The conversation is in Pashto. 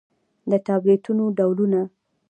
د ټابليټنو ډولونه: